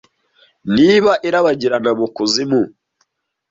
niba irabagirana mukuzimu